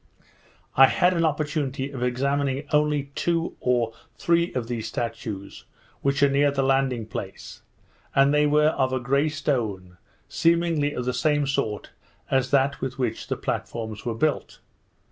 I had an opportunity of examining only two or three of these statues, which are near the landing place; and they were of a grey stone, seemingly of the same sort as that with which the platforms were built.